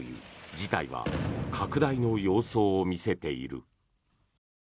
事態は拡大の様相を見せている。